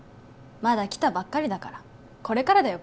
まだ来たばっかりだからこれからだよ